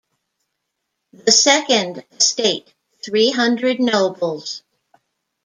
The Second Estate, three hundred nobles.